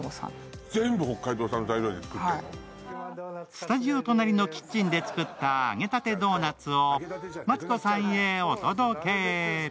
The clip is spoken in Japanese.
スタジオ隣のキッチンで作った揚げたてドーナツをマツコさんへお届け。